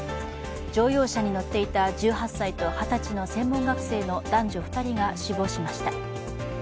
乗用車に乗っていた１８歳と２０歳の専門学生の男女２人が死亡しました。